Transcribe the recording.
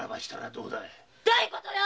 どういうことよ！？